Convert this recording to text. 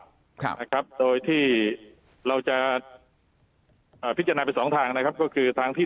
จริงนะครับในกรณีดังกล่าวนะครับโดยที่เราจะพิจารณาไปสองทางนะครับก็คือทางที่